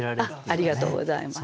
ありがとうございます。